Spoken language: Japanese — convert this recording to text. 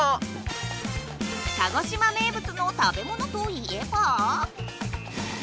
鹿児島名物の食べものといえば。